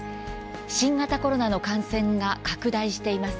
新型コロナの感染が拡大しています。